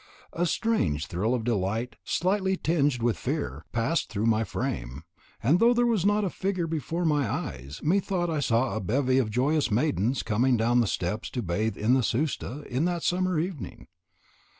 A strange thrill of delight, slightly tinged with fear, passed through my frame, and though there was not a figure before my eyes, methought I saw a bevy of joyous maidens coming down the steps to bathe in the Susta in that summer evening.